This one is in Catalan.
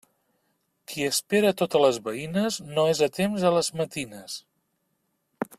Qui espera totes les veïnes, no és a temps a les matines.